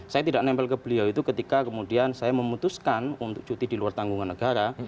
saya tidak nempel ke beliau itu ketika kemudian saya memutuskan untuk cuti di luar tanggungan negara